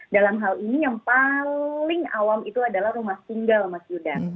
dalam hal ini yang paling awam itu adalah rumah tinggal mas yuda